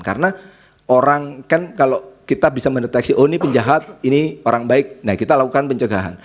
karena orang kan kalau kita bisa mendeteksi oh ini penjahat ini orang baik nah kita lakukan pencegahan